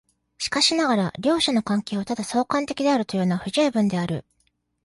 しかしながら両者の関係をただ相関的であるというのは不十分である。